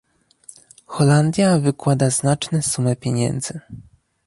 Holandia wykłada znaczne sumy pieniędzy